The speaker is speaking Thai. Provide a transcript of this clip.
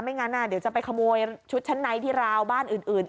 งั้นเดี๋ยวจะไปขโมยชุดชั้นในที่ราวบ้านอื่น